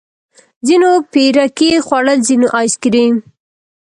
ځينو پيركي خوړل ځينو ايس کريم.